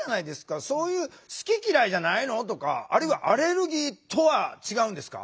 そういう「好き嫌いじゃないの？」とかあるいはアレルギーとは違うんですか？